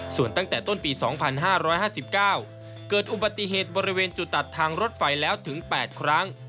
ส่วนตั้งแต่ต้นปี๒๕๕๙เกิดอุบัติเหตุบริเวณจุดตัดทางรถไฟแล้วถึง๘ครั้ง